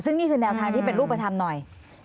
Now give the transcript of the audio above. ซึ่งนี่คือแนวทางที่เป็นรูปธรรมหน่อย